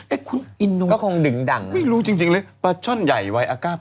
คุณอินนูก็คงดึงดังไม่รู้จริงจริงหรือปลาช่อนใหญ่วัยอาก้า